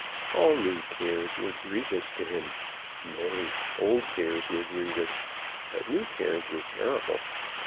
All new cares were grievous to him. Nay; old cares were grievous, but new cares were terrible.